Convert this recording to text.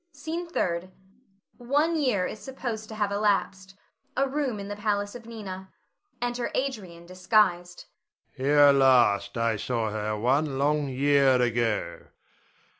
SCENE THIRD. [One year is supposed to have elapsed. A room in the palace of Nina. Enter Adrian disguised.] Adrian. Here last I saw her one long year ago.